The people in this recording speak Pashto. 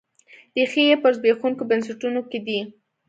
ریښې یې په زبېښونکو بنسټونو کې دي.